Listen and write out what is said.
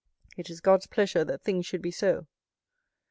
It is God's pleasure that things should be so."